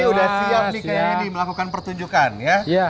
ini udah siap nih kayak ini melakukan pertunjukan ya